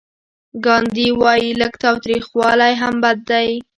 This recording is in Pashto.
ګاندي وايي لږ تاوتریخوالی هم بد دی.